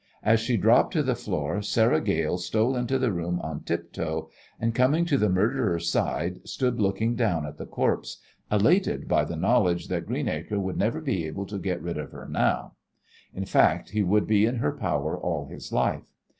As she dropped to the floor Sarah Gale stole into the room on tiptoe, and, coming to the murderer's side, stood looking down at the corpse, elated by the knowledge that Greenacre would never be able to get rid of her now; in fact would be in her power all his life.